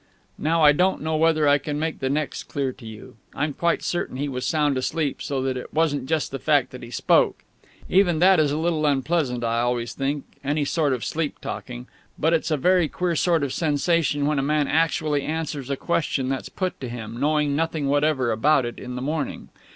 Now I don't know whether I can make the next clear to you. I'm quite certain he was sound asleep, so that it wasn't just the fact that he spoke. Even that is a little unpleasant, I always think, any sort of sleep talking; but it's a very queer sort of sensation when a man actually answers a question that's put to him, knowing nothing whatever about it in the morning.